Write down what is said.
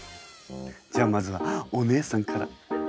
じゃあまずはお姉さんから。